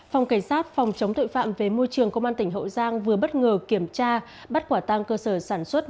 phòng cảnh sát phòng chống tội phạm về môi trường công an tỉnh hậu giang vừa bất ngờ kiểm tra bắt quả tăng cơ sở sản xuất